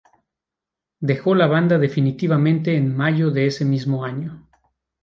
Dejó la banda definitivamente en mayo de ese mismo año.